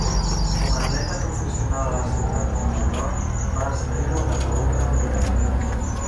Com a atleta professional a la ciutat de Nova York, va escriure una columna al diari.